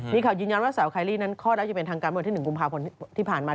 นี่เขายืนยันว่าสาวคายรี่นั้นคอดอาจจะเป็นทางการบันที่๑กุมภาพผลฯที่ผ่านมา